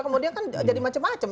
kemudian kan jadi macam macam